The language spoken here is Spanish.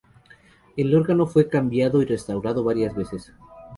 El órgano fue cambiado y restaurado varias veces.